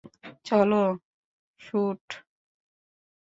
চলো, শুটু।